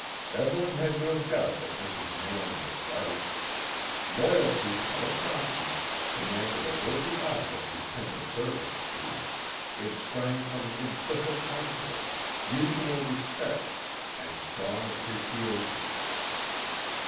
Evelyn had no doubt that Mrs. Nairn was right. Loyalty, most often, demanded a worthy object to tender service to; it sprang from implicit confidence, mutual respect, and strong appreciation.